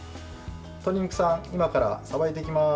鶏肉さん、今からさばいていきます。